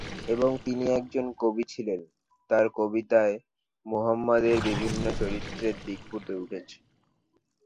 এবং তিনি একজন কবি ছিলেন তার কবিতায় মুহাম্মাদের বিভিন্ন চরিত্রের দিক ফুটে উঠেছে।